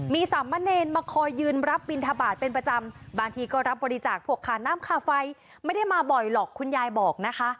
มีสามเณรมาคอยยืนรับบินทบาทเป็นประจำบางทีก็รับบริจาคพวกขาน้ำค่าไฟไม่ได้มาบ่อยหรอกคุณยายบอกนะคะ